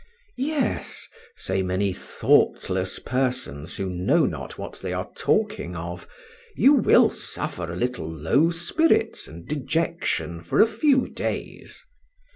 Yes, say many thoughtless persons, who know not what they are talking of, you will suffer a little low spirits and dejection for a few days.